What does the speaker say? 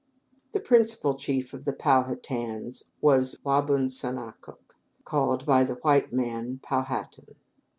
The principal chief of the Pow ha tans was Wa bun so na cook, called by the white men Pow hatan.